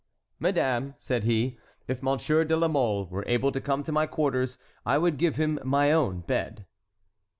"Madame," said he, "if Monsieur de la Mole were able to come to my quarters I would give him my own bed."